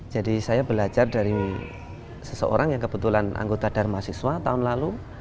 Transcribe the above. jadi saya belajar dari seseorang yang kebetulan anggota dharma siswa tahun lalu